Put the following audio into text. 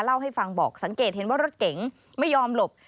เล่าให้ฟังบอกสังเกตเห็นว่ารถเก๋งไม่ยอมหลบ